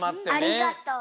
ありがとう。